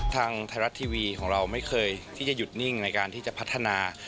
ทางไทยรัฐทีวีของเราไม่เคยที่จะหยุดนิ่งในการที่จะพัฒนา